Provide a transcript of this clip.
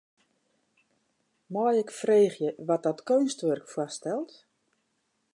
Mei ik freegje wat dat keunstwurk foarstelt?